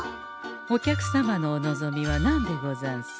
お客様のお望みは何でござんす？